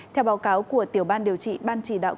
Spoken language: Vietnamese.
theo báo cáo của tiểu ban điều trị ban chỉ đạo